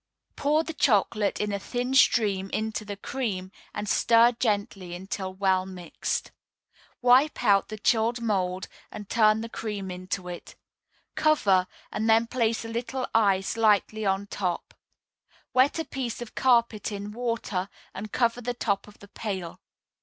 Pour the chocolate in a thin stream into the cream, and stir gently until well mixed. Wipe out the chilled mould, and turn the cream into it. Cover, and then place a little ice lightly on top. Wet a piece of carpet in water, and cover the top of the pail.